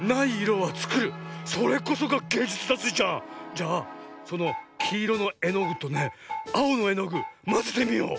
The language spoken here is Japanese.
じゃあそのきいろのえのぐとねあおのえのぐまぜてみよう。